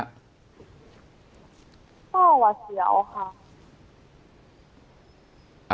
ก็วาดเสียวค่ะ